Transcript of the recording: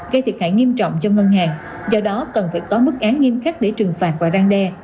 gây thiệt hại nghiêm trọng cho ngân hàng do đó cần phải có mức án nghiêm khắc để trừng phạt và răng đe